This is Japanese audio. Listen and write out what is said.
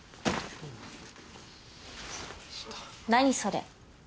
何それ？